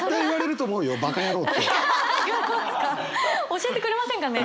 教えてくれませんかね？